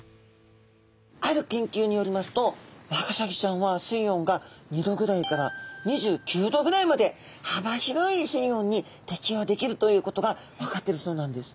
ある研究によりますとワカサギちゃんは水温が２℃ぐらいから２９℃ぐらいまで幅広い水温に適応できるということが分かってるそうなんです。